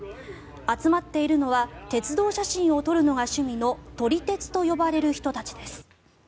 集まっているのは鉄道写真を撮るのが趣味の撮り鉄と呼ばれる人たちです。